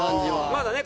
まだね